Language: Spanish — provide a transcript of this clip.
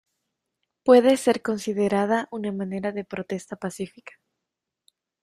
Puede ser considerada una manera de protesta pacífica.